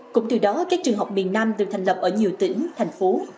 cũng từ đó các trường học miền nam được thành lập ở nhiều tỉnh thành phố